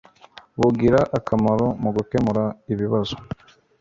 bugira akamaro mugukemura ibibazo